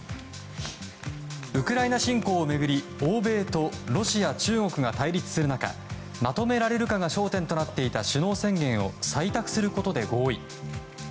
ウクライナ侵攻を巡り欧米とロシア、中国が対立する中まとめられるかが焦点となっていた首脳宣言を採択することで合意。